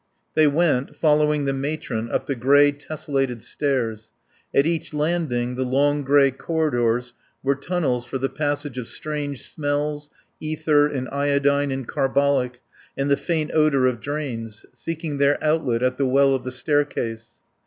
They went, following the matron, up the grey, tessellated stairs; at each landing the long, grey corridors were tunnels for the passage of strange smells, ether and iodine and carbolic and the faint odour of drains, seeking their outlet at the well of the staircase.